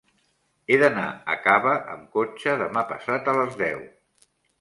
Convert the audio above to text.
He d'anar a Cava amb cotxe demà passat a les deu.